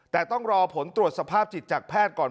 แต่ต้องรอผลตรวจสภาพจิตจากแพทย์ก่อน